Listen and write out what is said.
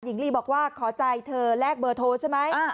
หญิงลีบอกว่าขอใจเธอแลกเบอร์โทรใช่ไหม